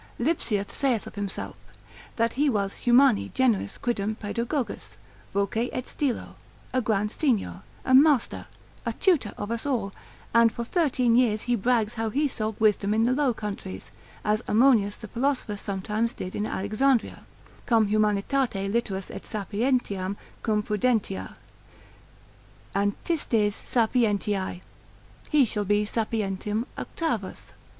Lipsius saith of himself, that he was humani generis quidem paedagogus voce et stylo, a grand signior, a master, a tutor of us all, and for thirteen years he brags how he sowed wisdom in the Low Countries, as Ammonius the philosopher sometimes did in Alexandria, cum humanitate literas et sapientiam cum prudentia: antistes sapientiae, he shall be Sapientum Octavus.